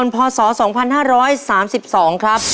ผิดครับ